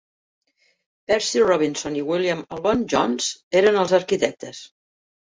Percy Robinson i William Alban Jones eren els arquitectes.